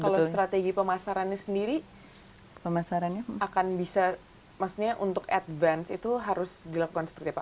kalau strategi pemasarannya sendiri untuk advance itu harus dilakukan seperti apa